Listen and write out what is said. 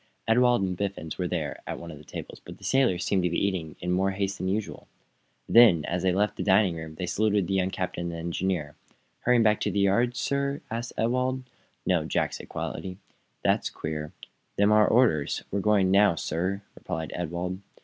Ewald and Biffens were there, at one of the tables, but the sailors seemed to be eating in more haste than usual. Then, as they left the dining room, they saluted the young captain and engineer. "Hurrying back to the yard, sir?" asked Ewald. "No," said Jack, quietly. "That's queer. Them's our orders. We're going now, sir," replied Ewald.